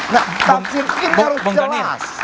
nah tafsir ini harus jelas